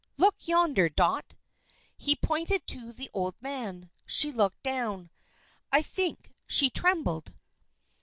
Look yonder, Dot." He pointed to the old man. She looked down. I think she trembled.